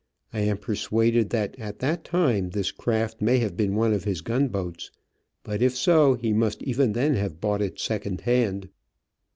I am persuaded that at that time this craft may have been one of his gunboats, but, if so, he must even then have bought it secondhand.